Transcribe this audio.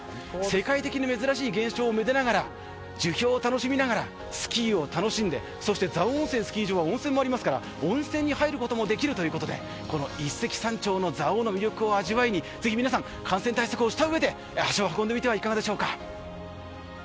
世界的に珍しい現象をめでながら、樹氷を楽しみながらスキーを楽しんでそして蔵王温泉スキー場は温泉もありますから温泉に入ることもできるということでこの一石三鳥の蔵王の魅力を味わいにぜひ皆さん、感染対策をしたうえで足を運んでみてはいかがでしょうか。